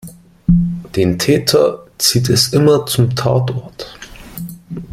Den Täter zieht es immer zum Tatort.